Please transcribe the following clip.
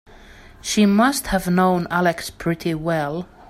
She must have known Alex pretty well.